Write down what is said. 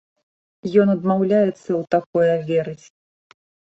Ён адмаўляецца ў такое верыць.